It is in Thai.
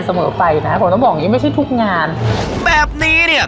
เสมอไปนะผมต้องบอกยังไม่ใช่ทุกงานแบบนี้เนี้ย